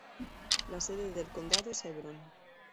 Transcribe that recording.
La sede del condado es Hebron.